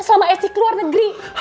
selama esi keluar negeri